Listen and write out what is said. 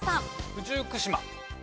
九十九島。